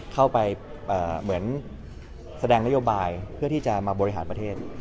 เข้าไปเหมือนแสดงนโยบายเพื่อที่จะมาบริหารประเทศ